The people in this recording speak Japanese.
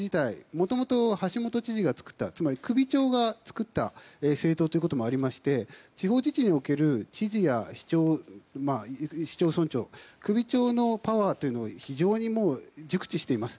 もともと橋下知事が作ったつまり首長が作った政党ということもありまして地方自治における知事や市町、村長首長のパワーというのを非常に熟知しています。